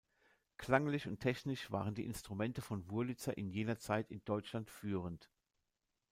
Klanglich und technisch waren die Instrumente von Wurlitzer in jener Zeit in Deutschland führend.